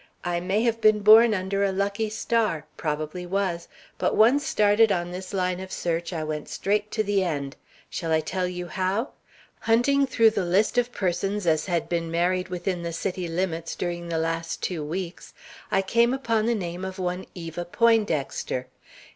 I may have been born under a lucky star, probably was, but once started on this line of search, I went straight to the end. Shall I tell you how? Hunting through the list of such persons as had been married within the city limits during the last two weeks, I came upon the name of one Eva Poindexter.